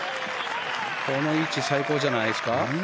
この位置、最高じゃないですか。